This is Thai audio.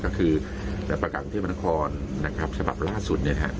ก็คือประกับประกันเทพนครสภาพล่าสุด